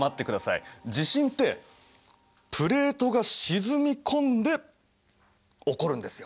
地震ってプレートが沈み込んで起こるんですよ。